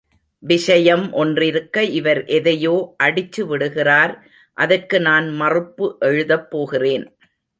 விஷயம் ஒன்றிருக்க இவர் எதையோ அடிச்சு விடுகிறார் அதற்கு நான் மறுப்பு எழுதப் போகிறேன்.